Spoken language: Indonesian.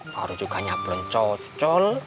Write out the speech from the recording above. baru juga nyablon cocol